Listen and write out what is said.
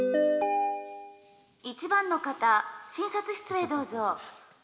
「１番の方診察室へどうぞ」。